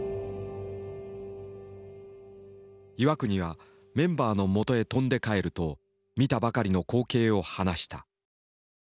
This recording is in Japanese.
岩國はメンバーのもとへ飛んで帰ると見たばかりの光景を話した。